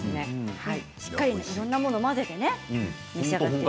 しっかりいろんなものを混ぜて召し上がって。